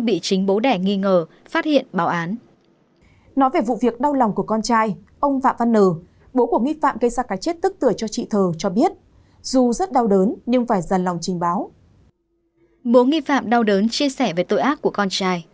bố nghi phạm đau đớn chia sẻ về tội ác của con trai